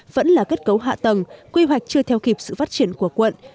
vẫn là kết cấu hạ tầng quy hoạch chưa theo kịp sự phát triển của quận